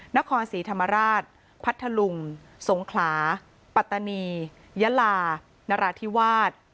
นครศรีธรรมราชพัทธลุงสงขลาปัตตานียะลานราธิวาส